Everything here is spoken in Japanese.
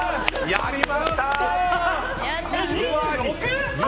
やりました！